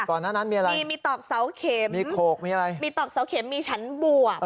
ก่อนหน้านั้นมีอะไรมีมีตอกเสาเข็มมีโขกมีอะไรมีตอกเสาเข็มมีฉันบวบ